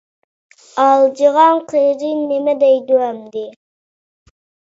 ئالجىغان قېرى نېمە دەيدۇ ئەمدى؟!